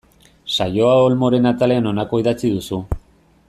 Saioa Olmoren atalean honakoa idatzi duzu.